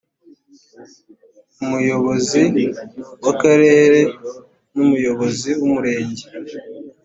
umuyobozi w akarere n umuyobozi w umurenge